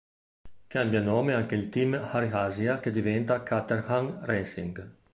Cambia nome anche il Team Air Asia che diventa Caterham Racing.